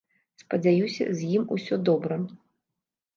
Спадзяюся, з ім ўсё добра.